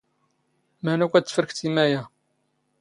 ⵎⴰⵏⵓⴽ ⴰⴷ ⵜⴼⵔⴽⴷ ⵉ ⵎⴰⵢⴰ?